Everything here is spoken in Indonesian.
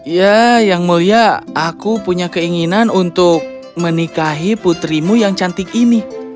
ya yang mulia aku punya keinginan untuk menikahi putrimu yang cantik ini